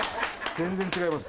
全然違います